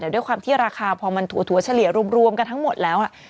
แต่ด้วยความที่ราคาพอมันถั่วเฉลี่ยรวมกันทั้งหมดแล้ว